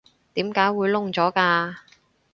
點解會燶咗㗎？